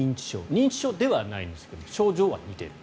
認知症ではないんですが症状は似ている。